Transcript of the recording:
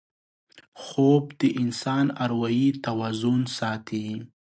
خوب د انسان اروايي توازن ساتي